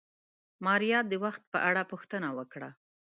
ماريا د وخت په اړه پوښتنه وکړه.